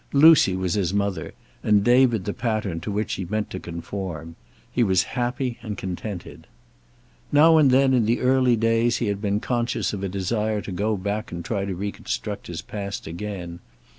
Lucy was his mother, and David the pattern to which he meant to conform. He was happy and contented. Now and then, in the early days, he had been conscious of a desire to go back and try to reconstruct his past again.